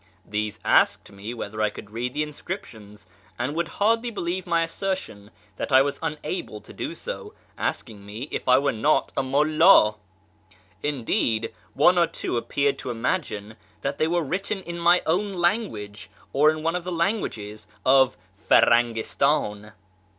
These asked me whether I could read the inscriptions, and would hardly believe my assertion that I was unable to do so, asking me if I were not a " mulld." Indeed, one or two appeared to imagine that they were written in my own language, or in one of the languages of Firangistan.